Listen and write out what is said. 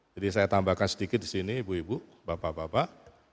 jadi saya tambahkan sedikit di sini ibu ibu bapak bapak